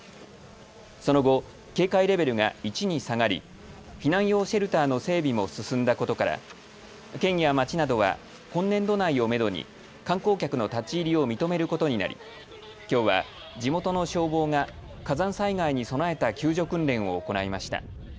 その後、警戒レベルが１に下がり避難用シェルターの整備も進んだことから県や町などは今年度内をめどに観光客の立ち入りを認めることになりきょうは地元の消防が火山災害に備えた救助訓練を行いました。